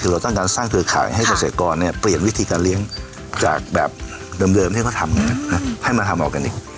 คือเราต้องการสร้างเครือข่ายให้เกษตรกรเปลี่ยนวิธีการเลี้ยงจากแบบเดิมที่เขาทำให้มาทำออร์แกนิค